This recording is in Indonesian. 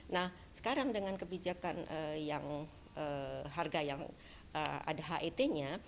nah sekarang dengan kebijakan yang harga yang ada het nya